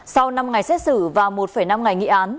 sau năm ngày xét xử và một năm ngày nghị án